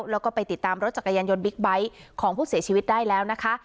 แล้วก็ไปติดตามรถจักรยานยนต์บิ๊กไบท์ของผู้เสียชีวิตได้แล้วนะคะ